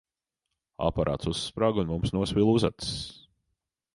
Aparāts uzsprāga, un mums nosvila uzacis.